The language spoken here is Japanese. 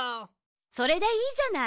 それでいいじゃない。